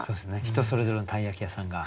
人それぞれの鯛焼屋さんが。